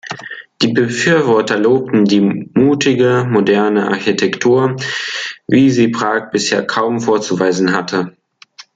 Die Befürworter lobten die mutige moderne Architektur, wie sie Prag bisher kaum vorzuweisen hatte.